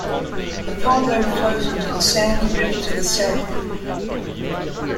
The pond overflows into the Sandy River to the south.